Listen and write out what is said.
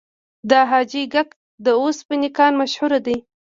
د حاجي ګک د وسپنې کان مشهور دی